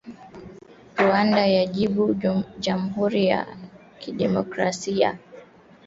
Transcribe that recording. Rwanda yajibu jamhuri ya kidemokrasia ya Kongo